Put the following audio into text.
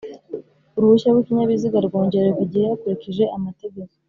uhushya rw’ikinyabiziga rwongererwa igihe hakurikije amategeko